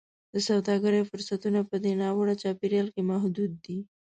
د سوداګرۍ فرصتونه په دې ناوړه چاپېریال کې محدود دي.